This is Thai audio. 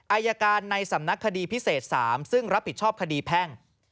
อายการในสำนักคดีพิเศษ๓ซึ่งรับผิดชอบคดีแพ่ง